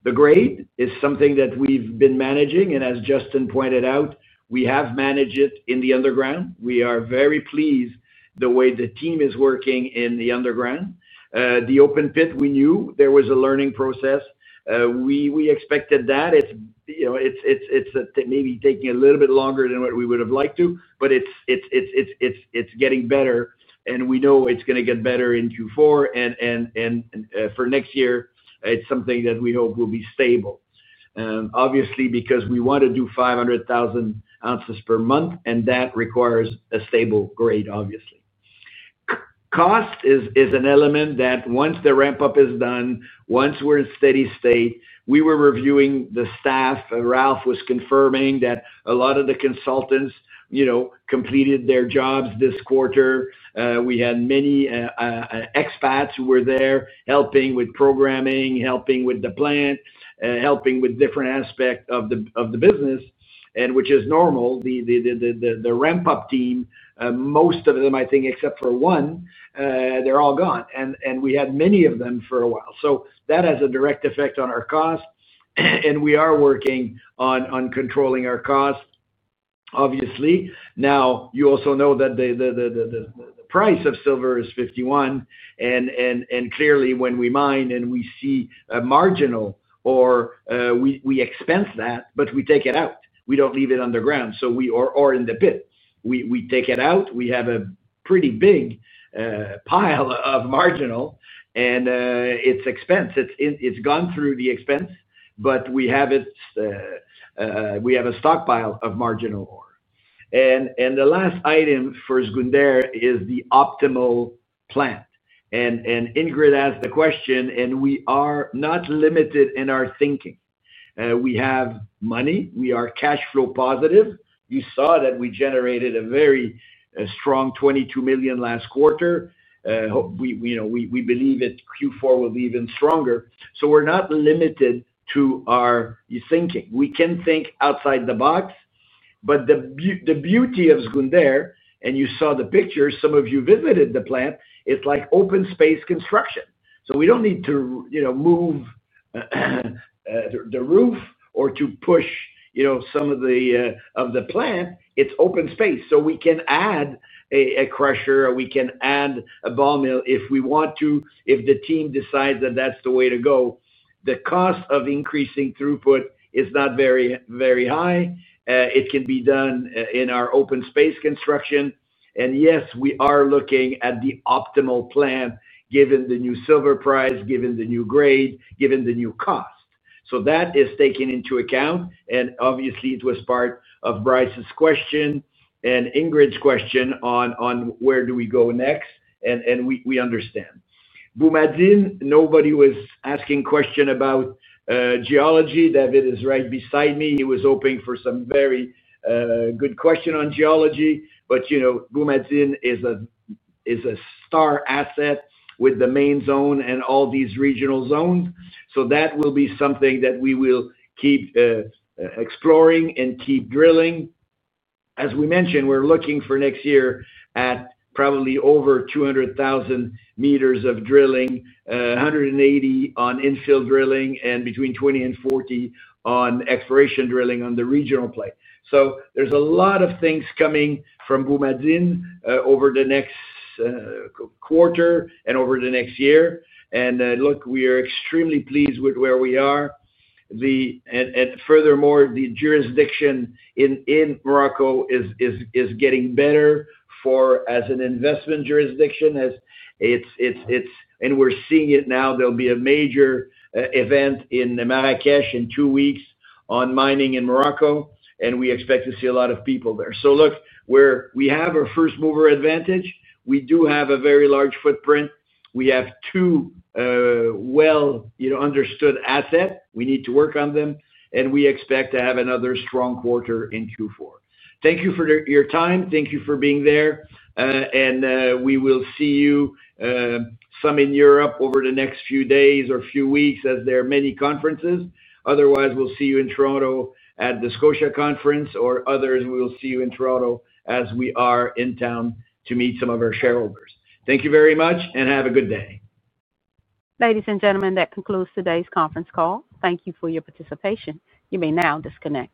C: The grade is something that we've been managing, and as Justin pointed out, we have managed it in the underground. We are very pleased with the way the team is working in the underground. The open pit, we knew there was a learning process. We expected that. It is maybe taking a little bit longer than what we would have liked to, but it is getting better, and we know it is going to get better in Q4. For next year, it is something that we hope will be stable, obviously, because we want to do 500,000 ounces per month, and that requires a stable grade, obviously. Cost is an element that once the ramp-up is done, once we are in steady state, we were reviewing the staff. Raph was confirming that a lot of the consultants completed their jobs this quarter. We had many expats who were there helping with programming, helping with the plant, helping with different aspects of the business, which is normal. The ramp-up team, most of them, I think, except for one, they're all gone. We had many of them for a while. That has a direct effect on our cost, and we are working on controlling our cost, obviously. You also know that the price of silver is $51, and clearly, when we mine and we see a marginal, we expense that, but we take it out. We do not leave it underground or in the pit. We take it out. We have a pretty big pile of marginal, and it is expense. It has gone through the expense, but we have a stockpile of marginal ore. The last item for Zgounder is the optimal plant. Ingrid asked the question, and we are not limited in our thinking. We have money. We are cash flow positive. You saw that we generated a very strong $22 million last quarter. We believe that Q4 will be even stronger. We are not limited to our thinking. We can think outside the box. The beauty of Zgounder, and you saw the pictures, some of you visited the plant, it is like open space construction. We do not need to move the roof or to push some of the plant. It is open space. We can add a crusher, or we can add a ball mill if we want to, if the team decides that that is the way to go. The cost of increasing throughput is not very high. It can be done in our open space construction. Yes, we are looking at the optimal plant given the new silver price, given the new grade, given the new cost. That is taken into account. Obviously, it was part of Bryce's question and Ingrid's question on where do we go next, and we understand. Boumadine, nobody was asking a question about geology. David is right beside me. He was hoping for some very good questions on geology. Boumadine is a star asset with the main zone and all these regional zones. That will be something that we will keep exploring and keep drilling. As we mentioned, we're looking for next year at probably over 200,000 meters of drilling, 180,000 on infill drilling, and between 20,000-40,000 on exploration drilling on the regional plate. There are a lot of things coming from Boumadine over the next quarter and over the next year. Look, we are extremely pleased with where we are. Furthermore, the jurisdiction in Morocco is getting better as an investment jurisdiction. We are seeing it now. There will be a major event in Marrakesh in two weeks on mining in Morocco, and we expect to see a lot of people there. Look, we have a first-mover advantage. We do have a very large footprint. We have two well-understood assets. We need to work on them, and we expect to have another strong quarter in Q4. Thank you for your time. Thank you for being there. We will see some of you in Europe over the next few days or few weeks as there are many conferences. Otherwise, we will see you in Toronto at the Scotia Conference, or others will see you in Toronto as we are in town to meet some of our shareholders. Thank you very much, and have a good day.
A: Ladies and gentlemen, that concludes today's conference call. Thank you for your participation. You may now disconnect.